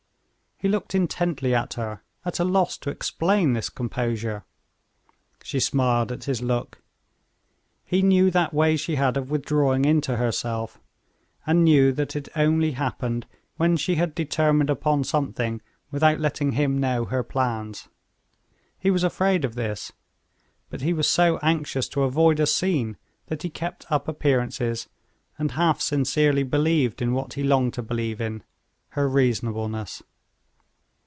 He looked intently at her, at a loss to explain this composure. She smiled at his look. He knew that way she had of withdrawing into herself, and knew that it only happened when she had determined upon something without letting him know her plans. He was afraid of this; but he was so anxious to avoid a scene that he kept up appearances, and half sincerely believed in what he longed to believe in—her reasonableness.